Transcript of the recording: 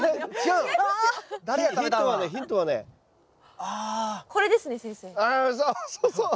あそうそうそう！